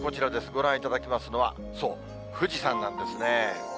ご覧いただきますのは、そう、富士山なんですね。